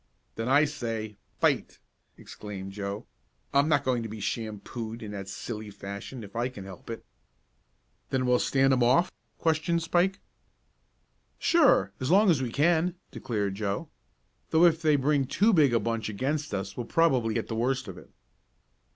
"Then I say fight!" exclaimed Joe. "I'm not going to be shampooed in that silly fashion if I can help it." "Then we'll stand 'em off?" questioned Spike. "Sure as long as we can," declared Joe. "Though if they bring too big a bunch against us we'll probably get the worst of it."